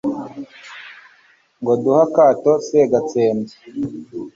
Ngo duhe akato segatsembyi